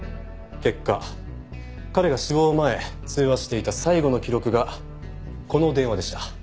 結果彼が死亡前通話していた最後の記録がこの電話でした。